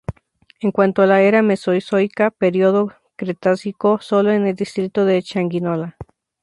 En cuanto a la Era Mesozoica, Periodo Cretácico solo en el Distrito de Changuinola.